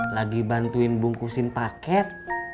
lagi bantuin bungkusin paket